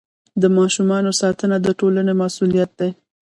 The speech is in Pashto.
د ماشومانو ساتنه د ټولنې مسؤلیت دی.